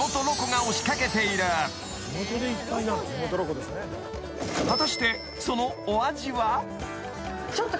［果たしてそのお味は］